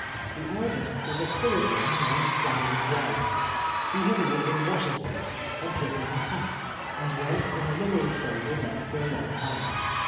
The eldest was a colored man named Clemens Tiay. He had lived in AVashington ; had driven a hack, and worked in a livery stable there f>r a long time.